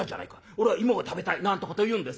俺は芋が食べたい』なんてこと言うんですよ。